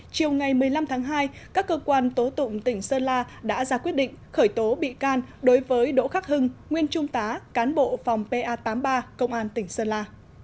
chiều ngày một mươi năm tháng hai các cơ quan tố tụng tỉnh sơn la đã ra quyết định khởi tố bị can đối với đỗ khắc hưng nguyên trung tá cán bộ phòng pa tám mươi ba công an tỉnh sơn la